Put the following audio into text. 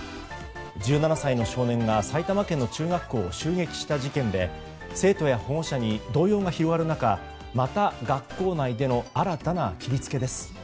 １７歳の少年が埼玉県の中学校を襲撃した事件で生徒や保護者に動揺が広がる中また学校内での新たな切り付けです。